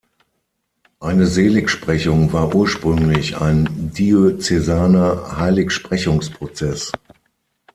Eine Seligsprechung war ursprünglich ein diözesaner Heiligsprechungsprozess.